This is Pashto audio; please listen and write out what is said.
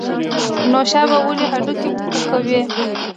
نوشابه ولې هډوکي پوکوي؟